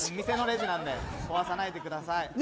店のレジなので壊さないでください。